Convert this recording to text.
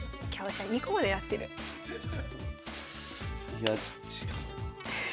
いや違う。